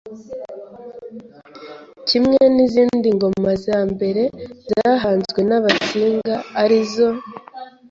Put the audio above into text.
kimwe n'izindi ngoma za mbere zahanzwe n'Abasinga, ari zo